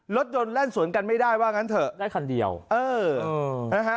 รถยนต์แล่นสวนกันไม่ได้ว่างั้นเถอะได้คันเดียวเออนะฮะ